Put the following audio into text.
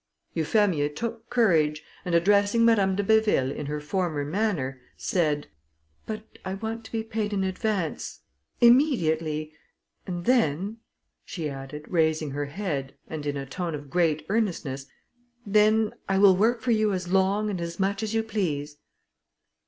Euphemia took courage, and addressing Madame de Béville in her former manner, said, "But I want to be paid in advance, immediately; and then," she added, raising her head, and in a tone of great earnestness, "then, I will work for you as long and as much as you please."